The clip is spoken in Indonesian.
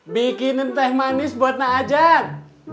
bikinin teh manis buat najan